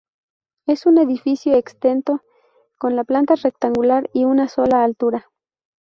Es un edificio exento con planta rectangular y una sola altura.